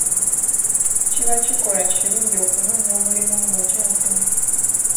Kiba kikolwa kirungi okunoonya omulimu ng'okyasoma.